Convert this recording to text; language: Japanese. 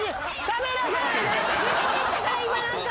抜けてったから今何か。